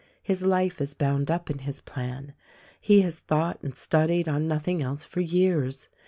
His life is bound up in his plan. He has thought and studied on nothing else for years.